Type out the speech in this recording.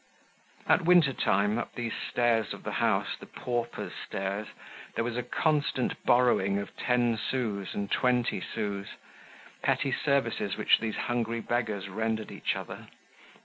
At winter time, up these stairs of the house, the paupers' stairs, there was a constant borrowing of ten sous and twenty sous, petty services which these hungry beggars rendered each other.